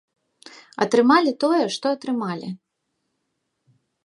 Атрымалі тое, што атрымалі.